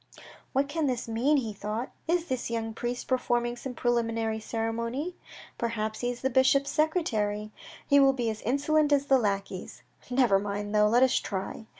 "What can this mean," he thought. "Is this young priest performing some preliminary ceremony? Perhaps he is the bishop's secretary. He will be as insolent as the lackeys. Never mind though ! Let us try."